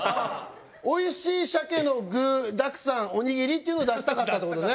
「おいしい鮭の具沢山おにぎり」っていうのを出したかったってことね。